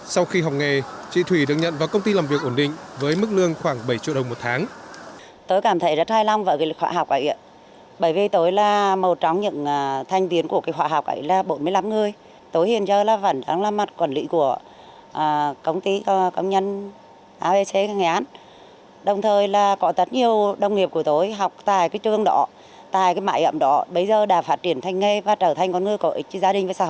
sau khi học nghề chị thủy được nhận vào công ty làm việc ổn định với mức lương khoảng bảy triệu đồng một tháng